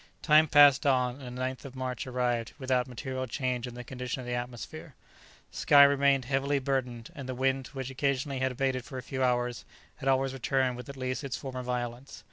Time passed on, and the 9th of March arrived without material change in the condition of the atmosphere. The sky remained heavily burdened, and the wind, which occasionally had abated for a few hours, had always returned with at least its former violence.